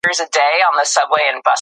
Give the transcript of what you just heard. دغه پروژه د خلکو د ګټې لپاره ده.